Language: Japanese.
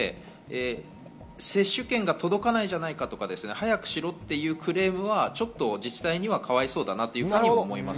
接種券が届かないじゃないか、早くしろというクレームはちょっと自治体にはかわいそうかなと思います。